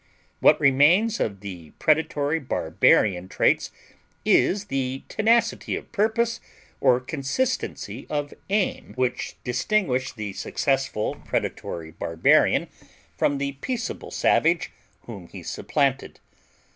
What remains of the predatory barbarian traits is the tenacity of purpose or consistency of aim which distinguished the successful predatory barbarian from the peaceable savage whom he supplanted.